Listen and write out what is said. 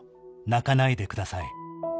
「泣かないでください」